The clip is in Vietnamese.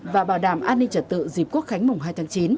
và bảo đảm an ninh trật tự dịp quốc khánh mùng hai tháng chín